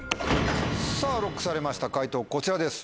さぁＬＯＣＫされました解答こちらです。